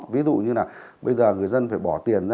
ví dụ như là bây giờ người dân phải bỏ tiền